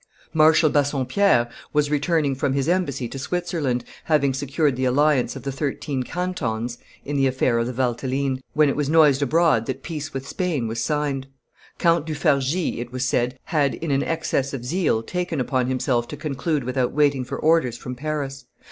] Marshal Bassompierre was returning from his embassy to Switzerland, having secured the alliance of the Thirteen Cantons in the affair of the Valteline, when it was noised abroad that peace with Spain was signed. Count du Fargis, it was said, had, in an excess of zeal, taken upon himself to conclude without waiting for orders from Paris.